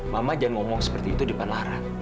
mama jangan ngomong seperti itu di depan lara